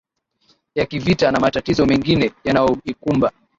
ya kivita na matatizo mengine yanaoikumba